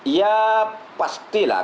ya pasti lah